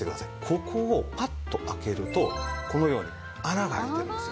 ここをパッと開けるとこのように穴が開いているんです。